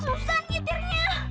susah nih tirnya